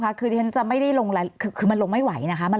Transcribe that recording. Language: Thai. คุณผู้ชมคะคือมันลงไม่ไหวนะคะ